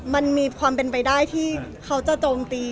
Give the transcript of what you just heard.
มันมีความเป็นไปได้ที่เขาจะโจมตี